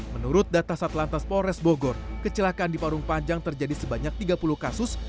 menurut data satlantas polres bogor kecelakaan di parung panjang terjadi sebanyak tiga puluh kasus